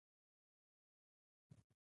دا د ځنګلي غرڅنۍ د زمانې غمی دی.